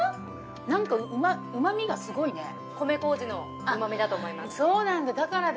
なんかうまみがすごいね米こうじのうまみだと思いますそうなんだだからだ